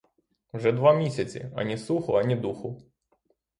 Вже два місяці — ані слуху, ані духу.